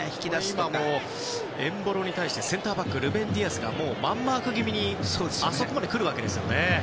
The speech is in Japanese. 今もエンボロに対してルベン・ディアスがマンマーク気味にあそこまで来るわけですよね。